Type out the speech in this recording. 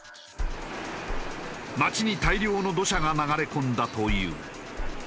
町に大量の土砂が流れ込んだという。